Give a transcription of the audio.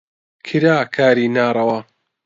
کرا کاری ناڕەوا